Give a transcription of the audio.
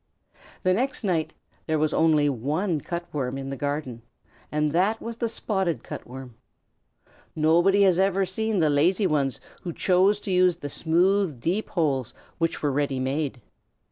The next night there was only one Cut Worm in the garden, and that was the Spotted Cut Worm. Nobody has ever seen the lazy ones who chose to use the smooth, deep holes which were ready made.